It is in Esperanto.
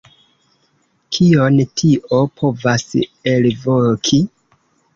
Kion tio povas elvoki?